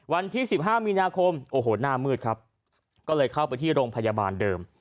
วันที่๑๕มีนาคมโอ้โหหน้ามืดครับก็เลยเข้าไปที่โรงพยาบาลเดิม